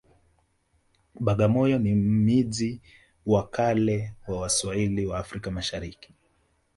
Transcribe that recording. bagamoyo ni miji wa kale wa waswahili wa africa mashariki